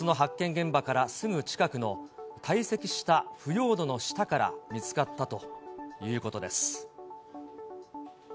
現場からすぐ近くの堆積した腐葉土の下から見つかったということです。